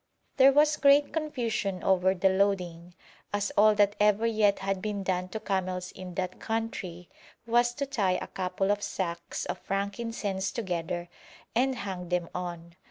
There was great confusion over the loading, as all that ever yet had been done to camels in that country was to tie a couple of sacks of frankincense together and hang them on.